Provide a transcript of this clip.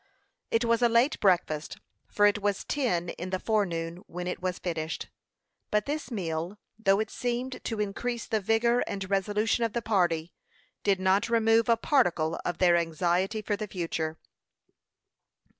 It was a late breakfast, for it was ten in the forenoon when it was finished. But this meal, though it seemed to increase the vigor and resolution of the party, did not remove a particle of their anxiety for the future.